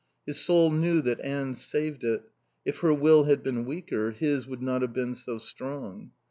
His soul knew that Anne saved it. If her will had been weaker his would not have been so strong.